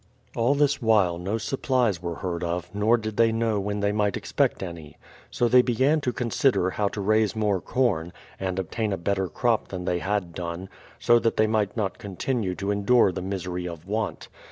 All this while no supplies were heard of, nor did they know when they might expect any. So they began to con sider how to raise more corn, and obtain a better crop than they had done, so that they might not continue to endure the misery of want.